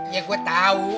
ya gue tau